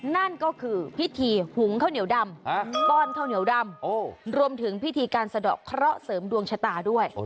นั่นก็คือพิธีหุงข้าวเหนียวดำป้อนข้าวเหนียวดำรวมถึงพิธีการสะดอกเคราะห์เสริมดวงชะตาด้วย